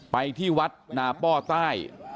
ไปที่วัดนาป้อใต้